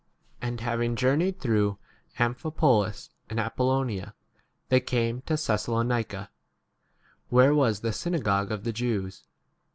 And having journeyed through Amphipolis and Apollonia, they came to Thessalonica, where was 2 the synagogue of the Jews.